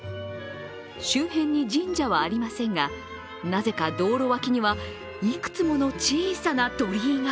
周辺に神社はありませんがなぜか道路脇にはいくつもの小さな鳥居が。